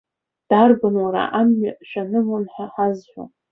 Дарбан, уара, амҩа шәанымлан ҳәа ҳазҳәо!